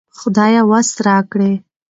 خدايه وس راکړې